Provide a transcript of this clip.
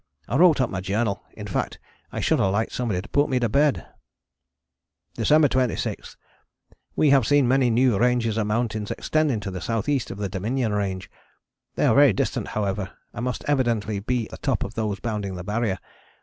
I wrote up my journal in fact I should have liked somebody to put me to bed. December 26. We have seen many new ranges of mountains extending to the S.E. of the Dominion Range. They are very distant, however, and must evidently be the top of those bounding the Barrier.